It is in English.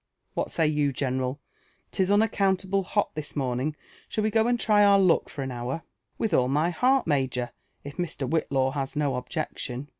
What say you, general ? *ii^ unaccountable hot this morning— shall we go and try our luck for an hourr *' With all my heart, major, if Mr. Whitlaw has no objection."